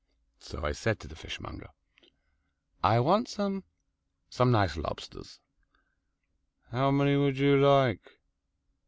So I said to the fishmonger, "I want some some nice lobsters." "How many would you like?"